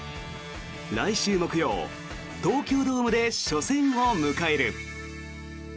来週木曜東京ドームで初戦を迎える。